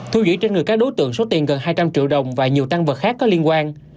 thu giữ trên người các đối tượng số tiền gần hai trăm linh triệu đồng và nhiều tăng vật khác có liên quan